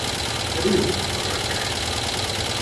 Què diu el refrany?